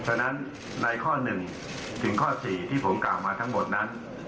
ฉะนั้นในข้อ๑ถึงข้อ๔ที่ผมกล่าวมาทั้งหมดนั้น